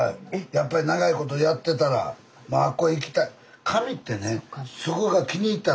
やっぱり長いことやってたらあっこ行きたい。